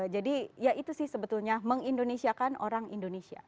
jadi ya itu sih sebetulnya mengindonesiakan orang indonesia